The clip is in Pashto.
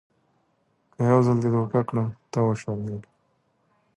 که یو ځل دې دوکه کړم ته وشرمېږه .